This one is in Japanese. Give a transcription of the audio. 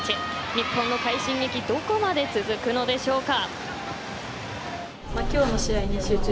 日本の快進撃どこまで続くのでしょうか。